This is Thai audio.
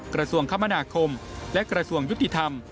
กระทรวงคมนาคมและกระทรวงยุติธรรม